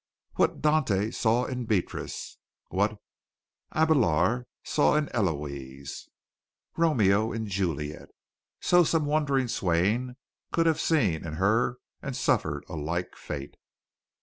What Dante saw in Beatrice, what Abélard saw in Héloïse, Romeo in Juliet, so some wondering swain could have seen in her and suffered a like fate.